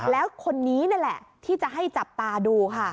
แล้วคนนี้นี่แหละที่จะให้จับตาดูค่ะ